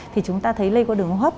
thì chúng ta thấy lây qua đường hô hấp